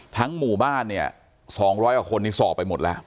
ทั้งหมู่บ้าน๒๐๐อักคนที่สอบไปหมดแล้ว